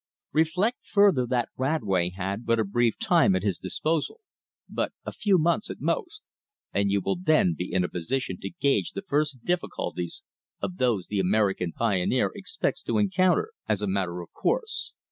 Reflect further that Radway had but a brief time at his disposal, but a few months at most, and you will then be in a position to gauge the first difficulties of those the American pioneer expects to encounter as a matter of course.